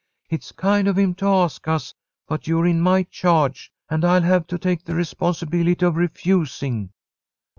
It's kind of him to ask us, but you're in my charge, and I'll have to take the responsibility of refusing."